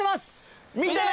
見てね。